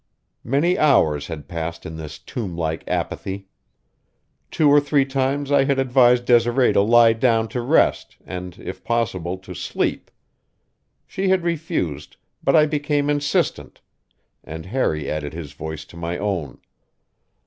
Many hours had passed in this tomblike apathy. Two or three times I had advised Desiree to lie down to rest and, if possible, to sleep. She had refused, but I became insistent, and Harry added his voice to my own.